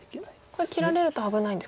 これ切られると危ないんですか。